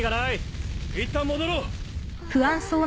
いったん戻ろう。